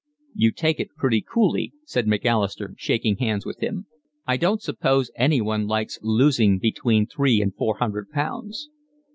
"You take it pretty coolly," said Macalister, shaking hands with him. "I don't suppose anyone likes losing between three and four hundred pounds."